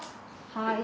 はい。